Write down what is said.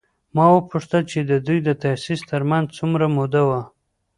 ما وپوښتل چې د دوی د تاسیس تر منځ څومره موده وه؟